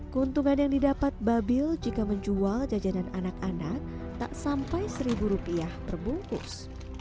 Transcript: keuntungan yang didapat babil jika menjual jajanan anak anak tak sampai seribu rupiah perbungkus